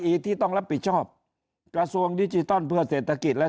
ที่ต้องรับผิดชอบกระทรวงดิจิตอลเพื่อเศรษฐกิจและ